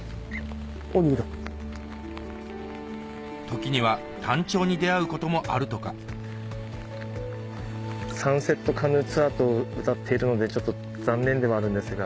時にはタンチョウに出合うこともあるとかサンセットカヌーツアーとうたっているのでちょっと残念ではあるんですが。